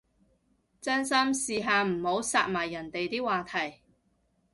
真心，試下唔好殺埋人哋啲話題